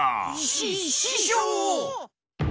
しししょう！